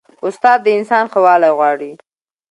استاد د انسان ښه والی غواړي.